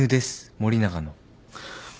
森永の。